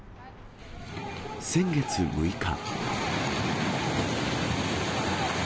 先月６日。